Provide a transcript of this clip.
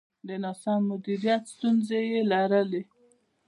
د ناسم مدیریت ستونزې یې لرلې.